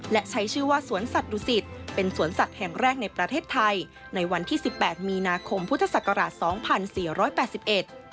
และใช้ชื่อว่าสวนสัตว์ดุสิตเป็นสวนสัตว์แห่งแรกในประเทศไทยในวันที่๑๘มีนาคมพุทธศักราช๒๔๘๑